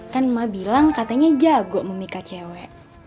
kan emak bilang katanya jago memikah cewek